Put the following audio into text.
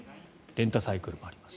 レンタサイクルもあります。